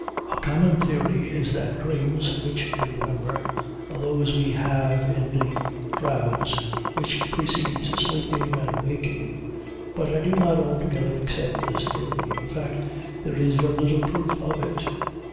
A common theory is that the dreams which we remember are those we have in the drowse which precedes sleeping and waking; but I do not altogether accept this theory. In fact, there is very little proof of it.